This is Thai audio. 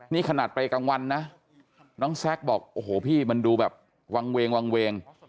นี่ขนาดไปกลางวันนะน้องแซคบอกโอ้โหพี่มันดูแบบวางเวงวางเวง